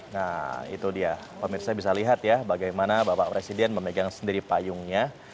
nah itu dia pemirsa bisa lihat ya bagaimana bapak presiden memegang sendiri payungnya